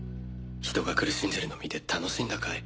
ひとが苦しんでるの見て楽しんだかい？